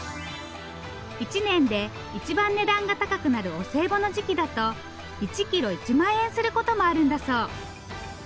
一年で一番値段が高くなるお歳暮の時期だと１キロ１万円することもあるんだそう。